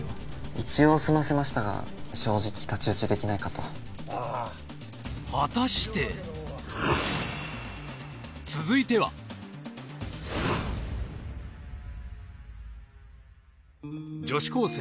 一応済ませましたが正直太刀打ちできないかとああ果たして続いては女子高生